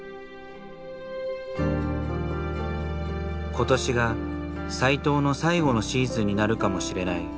今年が斎藤の最後のシーズンになるかもしれない。